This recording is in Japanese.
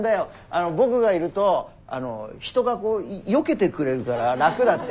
僕がいると人がこうよけてくれるから楽だって。